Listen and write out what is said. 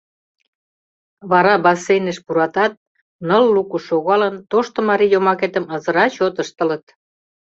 Вара бассейныш пуратат, ныл лукыш шогалын, тошто марий йомакетым ызыра чот ыштылыт.